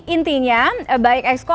intinya baik exco